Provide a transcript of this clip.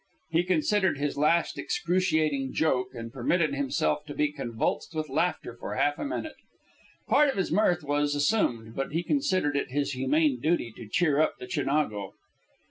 He considered this last an excruciating joke, and permitted himself to be convulsed with laughter for half a minute. Part of his mirth was assumed, but he considered it his humane duty to cheer up the Chinago.